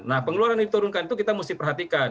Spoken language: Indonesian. nah pengeluaran yang diturunkan itu kita mesti perhatikan